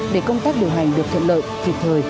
để công tác điều hành được thuận lợi kịp thời